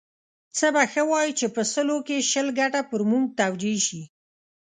څه به ښه وای چې په سلو کې شل ګټه پر موږ توجیه شي.